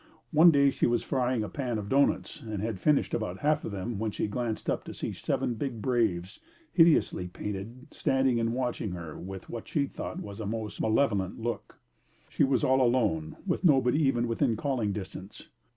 One day she was frying a pan of doughnuts and had finished about half of them when she glanced up to see seven big braves, hideously painted, standing and watching her with what she thought was a most malevolent look. She was all alone, with nobody even within calling distance.